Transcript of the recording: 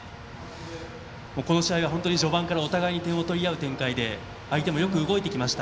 この試合、序盤からお互いに点を取り合う展開で相手もよく動いてきました。